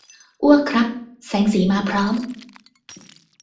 อ้วกครับ แสงสีมาพร้อม